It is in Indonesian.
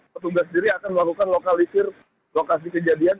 petugas sendiri akan melakukan lokalisir lokasi kejadian